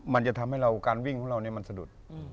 มันจะทำให้เราการวิ่งของเรามันสะดุด